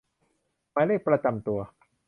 หมายเลขประจำตัว